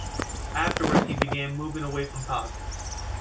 Afterwards he began moving away from politics.